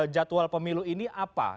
jadwal pemilu ini apa